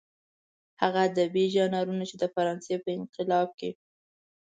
هغه کلاسلیک ادبي ژانرونه چې د فرانسې په انقلاب کې.